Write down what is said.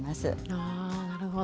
あなるほど。